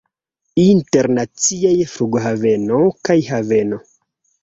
Internaciaj flughaveno kaj haveno.